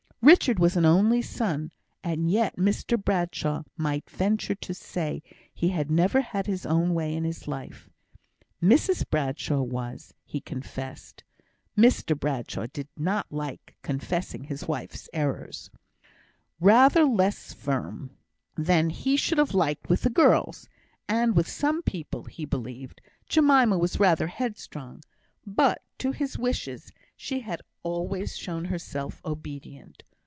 Richard was an only son, and yet Mr Bradshaw might venture to say, he had never had his own way in his life. Mrs Bradshaw was, he confessed (Mr Bradshaw did not dislike confessing his wife's errors), rather less firm than he should have liked with the girls; and with some people, he believed, Jemima was rather headstrong; but to his wishes she had always shown herself obedient.